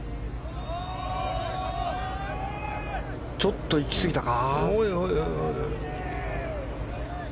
ちょっと行き過ぎたか。